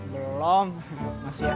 belom masih sma